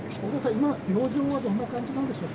今の病状はどんな感じなんでしょうか？